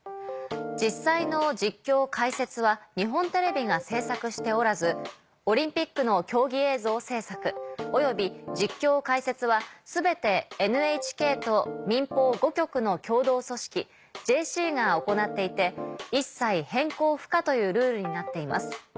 「実際の実況解説は日本テレビが制作しておらずオリンピックの競技映像制作および実況解説は全てＮＨＫと民放５局の共同組織ＪＣが行っていて一切変更不可というルールになっています。